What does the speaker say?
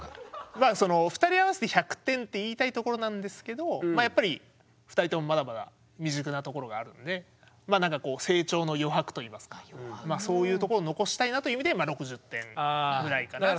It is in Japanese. まあその２人合わせて１００点って言いたいところなんですけどまあやっぱり２人ともまだまだ未熟なところがあるのでなんかこう成長の余白といいますかそういうとこを残したいなという意味で６０点ぐらいかなっていう。